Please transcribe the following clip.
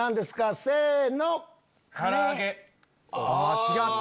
違った！